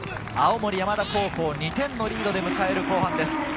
青森山田高校、２点のリードで迎える後半です。